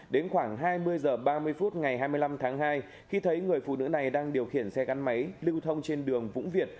đến khoảng hai mươi h ba mươi phút ngày hai mươi năm tháng hai khi thấy người phụ nữ này đang điều khiển xe gắn máy lưu thông trên đường vũng việt